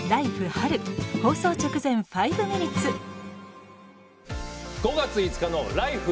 春」放送直前「５ミニッツ」５月５日の「ＬＩＦＥ！